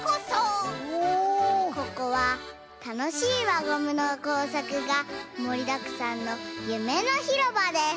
ここはたのしいわゴムのこうさくがもりだくさんのゆめのひろばです！